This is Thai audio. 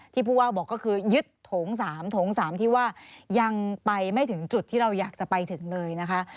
ผู้ว่าบอกก็คือยึดโถง๓โถง๓ที่ว่ายังไปไม่ถึงจุดที่เราอยากจะไปถึงเลยนะคะ